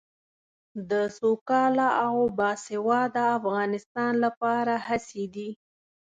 د سوکاله او باسواده افغانستان لپاره هڅې دي.